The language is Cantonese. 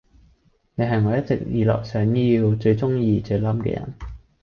你係我一直以來想要，最鐘意，最冧嘅人